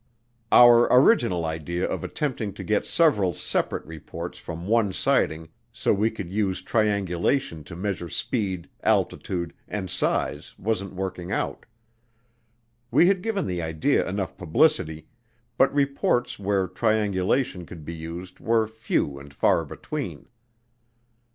Our original idea of attempting to get several separate reports from one sighting so we could use triangulation to measure speed, altitude, and size wasn't working out. We had given the idea enough publicity, but reports where triangulation could be used were few and far between.